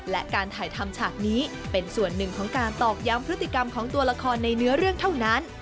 และการถ่ายทำฉากนี้เป็นส่วนหนึ่งของการตอกย้ำพฤติกรรมของตัวละครในเนื้อเรื่องเท่านั้น